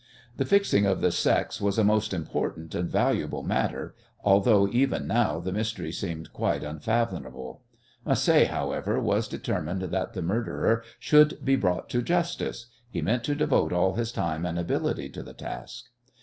The fixing of the sex was a most important and valuable matter, although even now the mystery seemed quite unfathomable. Macé, however, was determined that the murderer should be brought to justice. He meant to devote all his time and ability to the task.